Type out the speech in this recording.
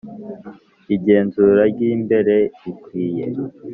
Igenzura ry imbere rikwiye